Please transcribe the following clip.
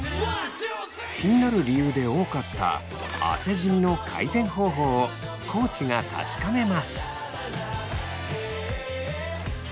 気になる理由で多かった汗じみの改善方法を地が確かめます。